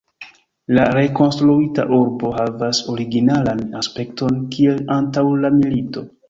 La rekonstruita urbo havas originalan aspekton kiel antaŭ la milito.